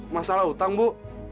masalah utang bu